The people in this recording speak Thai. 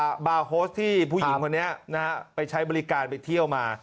หมำพุ่งเธอไปใช้บริการไปเที่ยวมา